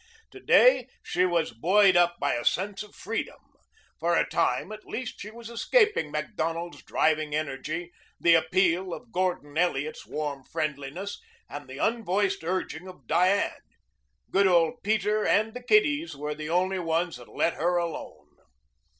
To day she was buoyed up by a sense of freedom. For a time, at least, she was escaping Macdonald's driving energy, the appeal of Gordon Elliot's warm friendliness, and the unvoiced urging of Diane. Good old Peter and the kiddies were the only ones that let her alone.